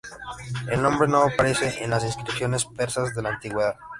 El nombre no aparece en las inscripciones persas de la Antigüedad.